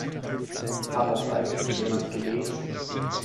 Hat das eigentlich jemand gelesen?